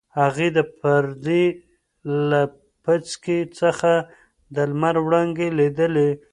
هغې د پردې له پیڅکې څخه د لمر وړانګې لیدلې.